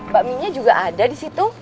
bakminya juga ada disitu